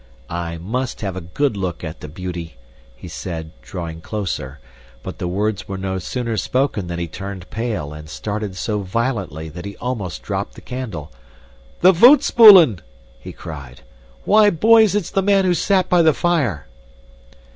"I must have a good look at the beauty," he said, drawing closer, but the words were no sooner spoken than he turned pale and started so violently that he almost dropped the candle. "The voetspoelen!" he cried! "Why, boys, it's the man who sat by the fire!"